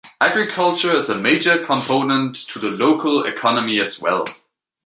Agriculture is a major component to the local economy as well.